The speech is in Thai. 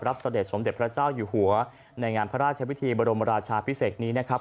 เสด็จสมเด็จพระเจ้าอยู่หัวในงานพระราชวิธีบรมราชาพิเศษนี้นะครับ